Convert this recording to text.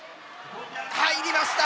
入りました！